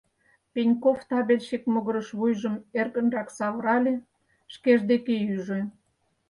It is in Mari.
Пеньков табельщик могырыш вуйжым эркынрак савырале, шкеж дек ӱжӧ.